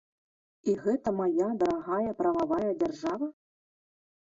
І гэта мая дарагая прававая дзяржава?